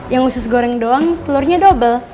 yang usus goreng doang telurnya dobel